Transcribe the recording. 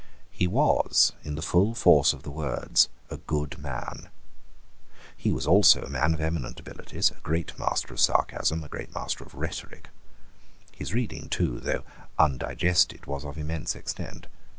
He was, in the full force of the words, a good man. He was also a man of eminent abilities, a great master of sarcasm, a great master of rhetoric, His reading, too, though undigested, was of immense extent.